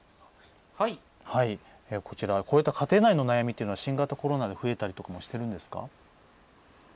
こういった家庭内の悩みというのは新型コロナで増えたりとかしているんですか？